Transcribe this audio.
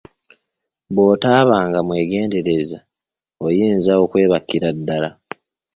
Bw'otabanga mwegendereza oyinza okwebakira ddala.